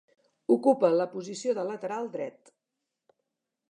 Ocupa la posició de lateral dret.